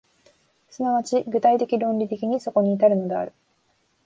即ち具体的論理的にそこに至るのである。